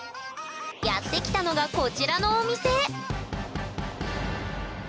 やって来たのがこちらのお店どうぞ。